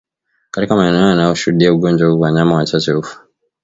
Katika maeneo yanayoshuhudia ugonjwa huu wanyama wachache hufa